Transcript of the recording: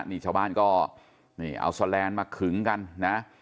นี่ชาวบ้านก็นี่เอาแสลนด์มาขึงกันนะ